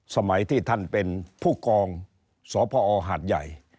สมัยที่ท่านเป็นผู้กองสพอหาดใหญ่